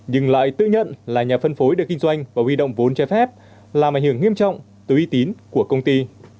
nhưng lại tự nhận là nhà phân phối để kinh doanh và huy động vốn trái phép là mảnh hưởng nghiêm trọng tới uy tín của công ty